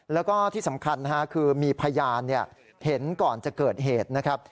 แล้วก็ที่สำคัญนะฮะคือมีพยานเห็นก่อนจะเกิดเหตุนะครับ